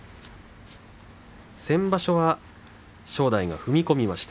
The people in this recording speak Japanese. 先場所は正代が踏み込みました。